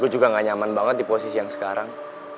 gue juga gak nyaman banget di posisi yang sekarang